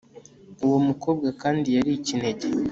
uwo mukobwa kandi yari ikinege